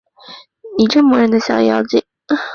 你这磨人的小妖精